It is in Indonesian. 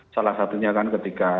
salah satunya kan ketika